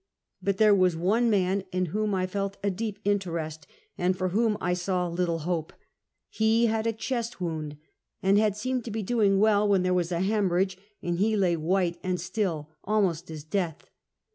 But there was one man in whom I felt a deep in terest and for whom I saw little hope. He had a chest wound, and had seemed to be doing well when there was a hemorrhage, and he lay white and still al most as death.